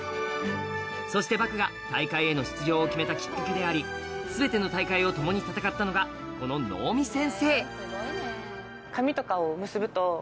・そしてばくが大会への出場を決めたきっかけであり全ての大会を共に戦ったのがこのと思うので。